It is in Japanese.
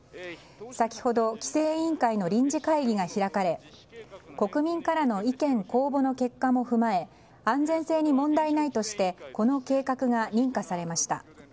先ほど規制委員会の臨時会議が開かれ国民からの意見公募の結果も踏まえ安全性に問題ないとしてこの計画が認可されました。